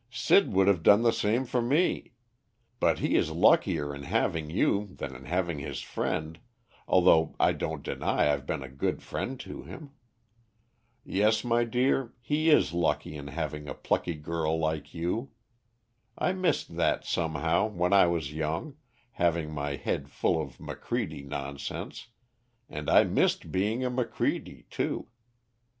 "Sid would have done the same for me. But he is luckier in having you than in having his friend, although I don't deny I've been a good friend to him. Yes, my dear, he is lucky in having a plucky girl like you. I missed that somehow when I was young, having my head full of Macready nonsense, and I missed being a Macready too.